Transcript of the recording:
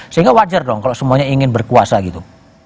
sehingga wajar dong kalau semuanya ingin berkuasa gitu